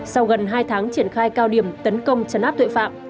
sau gần hai tháng triển khai cao điểm tấn công chấn áp tội phạm